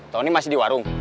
tony masih di warung